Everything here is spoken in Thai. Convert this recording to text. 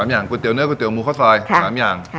อย่างก๋วเนื้อก๋วเตี๋หมูข้าวซอย๓อย่าง